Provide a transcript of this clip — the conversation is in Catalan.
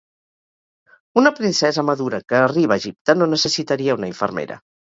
Una princesa madura que arriba a Egipte no necessitaria una infermera.